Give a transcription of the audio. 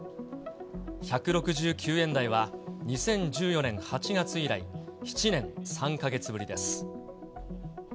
１６９円台は、２０１４年８月以来、７年３か月ぶりです。